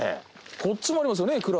こっちもありますよね蔵。